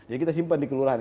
jadi kita simpan di kelurahan